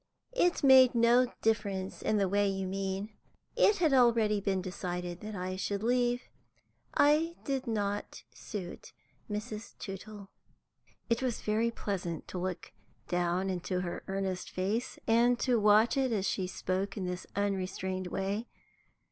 It made no difference in the way you mean. It had already been decided that I should leave. I did not suit Mrs. Tootle." It was very pleasant to look down into her earnest face, and watch it as she spoke in this unrestrained way.